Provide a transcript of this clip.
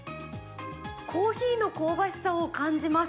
コーヒーの香ばしさを感じます。